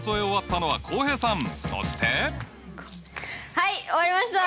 はい終わりました！